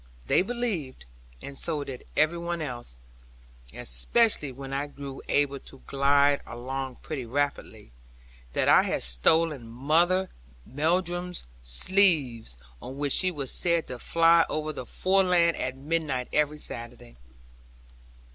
They believed, and so did every one else (especially when I grew able to glide along pretty rapidly), that I had stolen Mother Melldrum's sieves, on which she was said to fly over the foreland at midnight every Saturday.